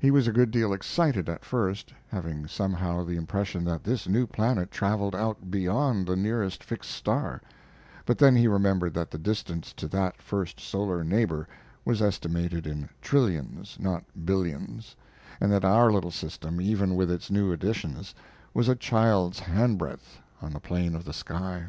He was a good deal excited at first, having somehow the impression that this new planet traveled out beyond the nearest fixed star; but then he remembered that the distance to that first solar neighbor was estimated in trillions, not billions, and that our little system, even with its new additions, was a child's handbreadth on the plane of the sky.